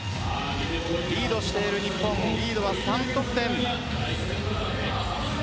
リードしている日本リードは３得点。